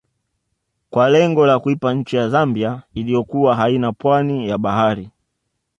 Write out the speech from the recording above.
Kwa lengo la kuipa nchi ya Zambia iliyokuwa haina pwani ya bahari